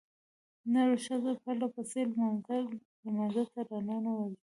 نرو ښځې پرلپسې لمانځه ته راننوځي.